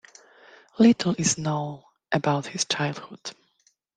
Little is known about his childhood.